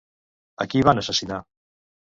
A qui van assassinar?